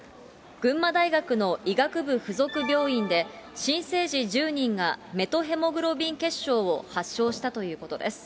群馬大学の医学部付属病院で、新生児１０人がメトヘモグロビン血症を発症したということです。